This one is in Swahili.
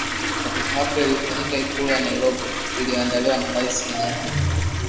katika hafla iliyofanyika Ikulu ya Nairobi iliyoandaliwa na Rais Kenyatta